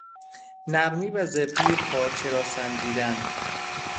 نرمی و زبری پارچه را سنجیدن